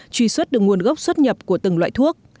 truy xuất được nguồn gốc xuất nhập của từng loại thuốc